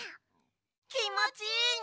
きもちいいね！